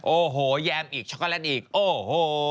โอ้โหแยมอีกช็อกโกแลตอีกโอ้โห